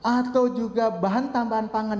atau juga bahan tambahan pangan